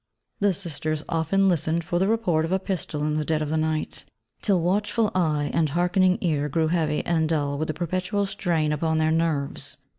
The sisters often listened for the report of a pistol in the dead of night, till watchful eye and hearkening ear grew heavy and dull with the perpetual strain upon their nerves.